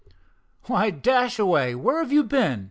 "Why, Dashaway, where have you been?"